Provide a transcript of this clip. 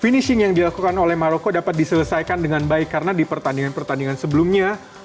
finishing yang dilakukan oleh maroko dapat diselesaikan dengan baik karena di pertandingan pertandingan sebelumnya